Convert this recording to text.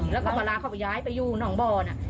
แล้วเวลาเขาย้ายไปอยู่น้องบอร์